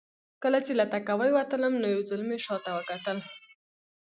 کله چې له تهکوي وتلم نو یو ځل مې شا ته وکتل